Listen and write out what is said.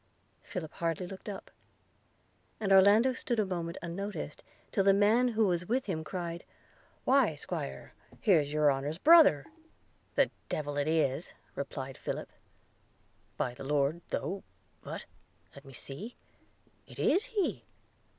Philip hardly looked up; and Orlando stood a moment unnoticed, till the man who was with him cried – 'Why, squire, here's your honour's brother.' "The devil it is!' replied Philip – 'By the Lord, though, but – let me see – It is he!